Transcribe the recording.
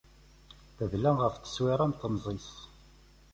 Tedla ɣef tteswiṛat n temẓi-s.